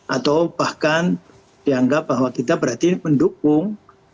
atau bahkan dianggap bahwa kita berarti mendukung